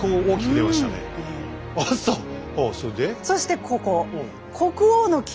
そしてここ。